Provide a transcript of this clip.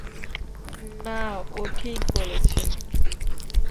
না, ও ঠিক বলেছে।